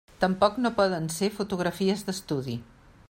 Tampoc no poden ser fotografies d'estudi.